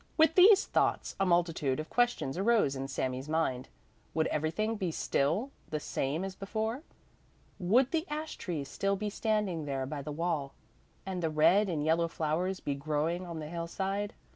With these thoughts a multitude of questions arose in Sami's mind: Would everything be still the same as before? Would the ash trees still be standing there by the wall? and the red and yellow flowers be growing on the hillside?